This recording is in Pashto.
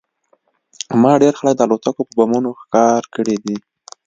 ما ډېر خلک د الوتکو په بمونو ښکار کړي دي